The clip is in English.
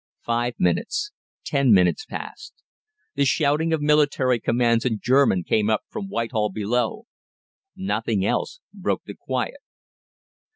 Five minutes ten minutes passed. The shouting of military commands in German came up from Whitehall below. Nothing else broke the quiet.